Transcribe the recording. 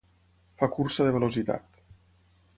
Fa cursa de velocitat.